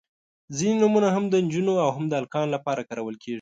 • ځینې نومونه هم د نجونو او هم د هلکانو لپاره کارول کیږي.